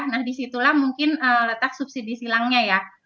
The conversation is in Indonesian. nah disitulah mungkin letak subsidi silangnya ya